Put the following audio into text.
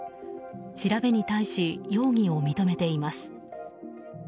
調べに対し容疑を認めています。